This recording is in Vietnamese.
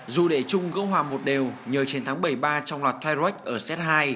dù để chung gấu hòa một đều nhờ chiến thắng bảy ba trong loạt thoai rách ở xét hai